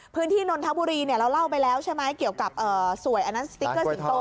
นนทบุรีเราเล่าไปแล้วใช่ไหมเกี่ยวกับสวยอันนั้นสติ๊กเกอร์สิงโต